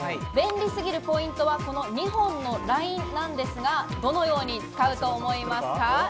便利すぎるポイントはこの２本のラインなんですが、どのように使うと思いますか？